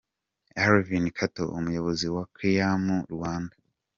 Alvin Katto umuyobozi wa Kaymu Rwanda.